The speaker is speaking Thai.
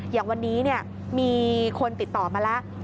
อย่างวันนี้มีคนติดต่อมาแล้ว